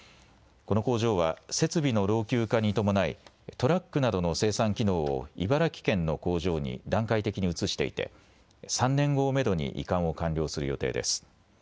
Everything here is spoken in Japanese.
この工場は設備の老朽化に伴いトラックなどの生産機能を茨城県の工場に段階的に移していて３年後をめどに移管を完了する予定です。